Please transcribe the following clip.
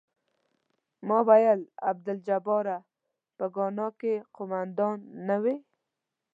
ما ویل عبدالجباره په ګانا کې قوماندان نه وې.